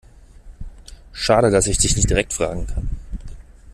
Schade, dass ich dich nicht direkt fragen kann.